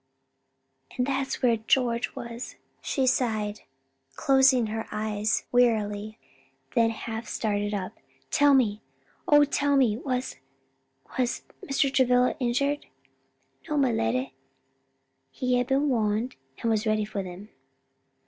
"And that's where George was!" she sighed, closing her eyes wearily. Then half starting up, "Tell me, oh tell me, was was Mr. Travilla injured?" "No, my leddy, he had been warned, and was ready for them."